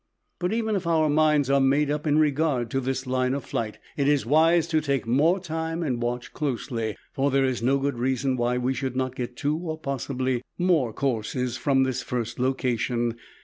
But even if our minds are made up in regard to this line of flight, it is wise to take more time and watch closely, for there is no good reason why we should not get two or possibly more courses from this first location.